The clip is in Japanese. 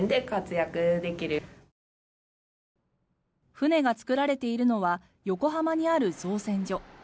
船が作られているのは横浜にある造船所。